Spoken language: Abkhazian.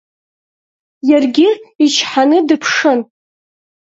Иаргьы ичҳаны дыԥшын.